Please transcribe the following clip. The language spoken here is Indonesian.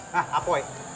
nah pak boy